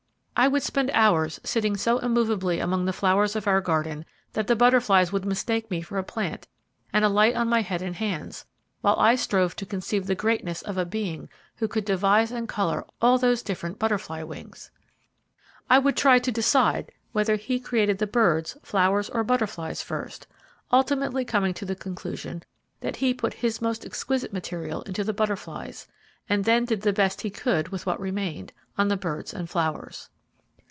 I would spend hours sitting so immovably among the flowers of our garden that the butterflies would mistake me for a plant and alight on my head and hands, while I strove to conceive the greatness of a Being who could devise and colour all those different butterfly wings. I would try to decide whether He created the birds, flowers, or butterflies first; ultimately coming to the conclusion that He put His most exquisite material into the butterflies, and then did the best He could with what remained, on the birds and flowers.